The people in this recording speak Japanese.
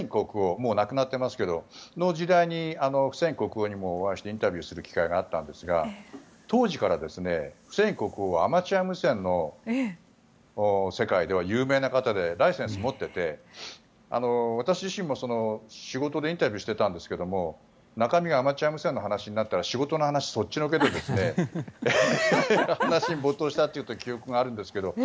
もう亡くなっていますがその時代、フセイン国王にもお会いしてインタビューする機会があったんですが当時からフセイン国王はアマチュア無線の世界では有名な方でライセンスを持っていて私自身も仕事でインタビューしていたんですけどアマチュア無線の話になったら仕事の話そっちのけでその話に没頭したという記憶がありますけど。